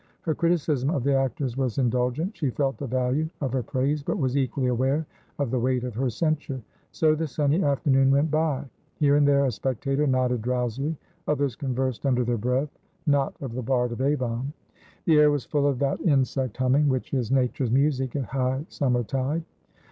Her criticism of the actors was indulgent; she felt the value of her praise, but was equally aware of the weight of her censure. So the sunny afternoon went by. Here and there a spectator nodded drowsily; others conversed under their breathnot of the bard of Avon. The air was full of that insect humming which is nature's music at high summer tide.